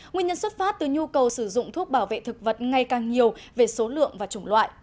nguyên nhân xuất phát từ nhu cầu sử dụng thuốc bảo vệ thực vật ngày càng nhiều về số lượng và chủng loại